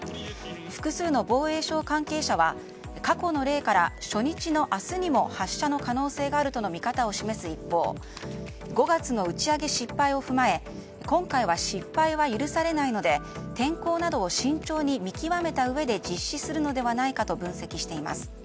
複数の防衛省関係者は過去の例から、初日の明日にも発射の可能性があるとの見方を示す一方５月の打ち上げ失敗を踏まえ今回は失敗は許されないので天候などを慎重に見極めたうえで実施するのではないかと分析しています。